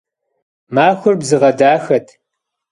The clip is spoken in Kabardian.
Maxuer bzığe daxet.